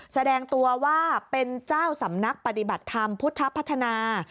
แสดงตัวว่าเป็นเจ้าสำนักปฏิบัติธรรมพุทธพัฒนา